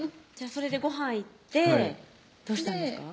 それでごはん行ってどうしたんですか？